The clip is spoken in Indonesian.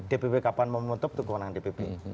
dpp kapan memutup itu kewenangan dpp